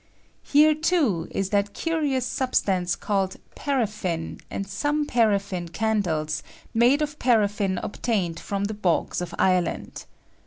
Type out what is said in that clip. Here, too, is that K ' curious substance called paraffine, and some paraffins candles, made of paraf&ne obtained Ifiom the bogs of Ireland.